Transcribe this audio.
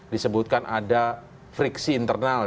disebutkan ada friksi internal